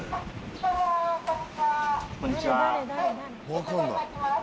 こんにちは。